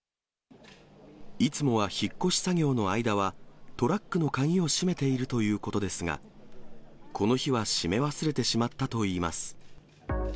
いつもは引っ越し作業の間は、トラックの鍵を閉めているということですが、この日は閉め忘れてしまったといいます。